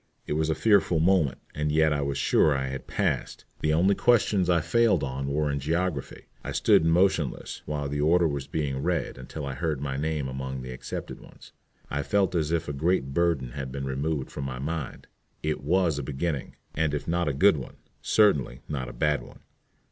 It was a fearful moment, and yet I was sure I had "passed." The only questions I failed on were in geography. I stood motionless while the order was being read until I heard my name among the accepted ones. I felt as if a great burden had been removed from my mind. It was a beginning, and if not a good one, certainly not a bad one.